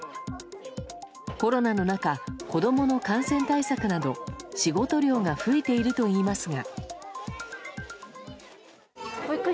コロナの中、子供の感染対策など仕事量が増えているといいますが。